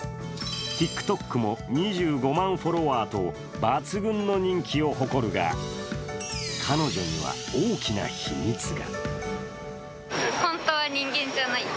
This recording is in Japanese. ＴｉｋＴｏｋも２５万フォロワーと抜群の人気を誇るが彼女には大きな秘密が。